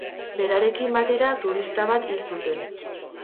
Berarekin batera turista bat hil zuten.